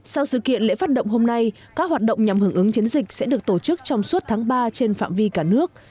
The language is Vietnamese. sau sự kiện lễ phát động hôm nay các hoạt động nhằm hưởng ứng chiến dịch sẽ được tổ chức trong suốt tháng ba trên phạm vi cả nước